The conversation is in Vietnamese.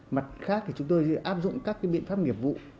mặt khác thì chúng tôi áp dụng các biện pháp nghiệp vụ